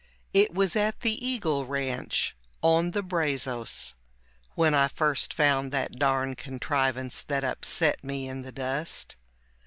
It was at the Eagle Ranch, on the Brazos, When I first found that darned contrivance that upset me in the dust.